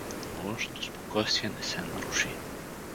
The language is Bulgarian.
Но външното спокойствие не се наруши.